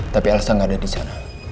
tapi elsa gak ada disana